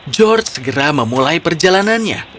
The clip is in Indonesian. george segera memulai perjalanannya